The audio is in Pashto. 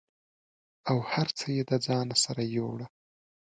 او هر څه یې د ځان سره یووړه